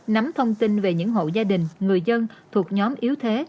nắm thông tin về những hộ gia đình người dân thuộc nhóm yếu thế